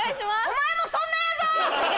お前もそんなやぞ！